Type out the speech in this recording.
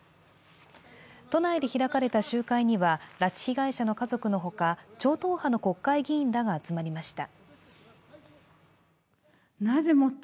都内で開かれた集会には拉致被害者の家族のほか超党派の国会議員らが集まりました。